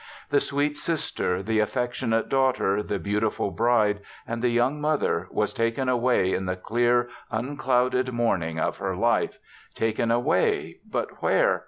The sweet sister, the affectionate daughter, the beautiful bride, and the young mother, was taken away in the clear, unclouded morning of her life— taken away, but where